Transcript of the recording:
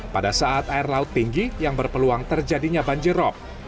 pada saat air laut tinggi yang berpeluang terjadinya banjirop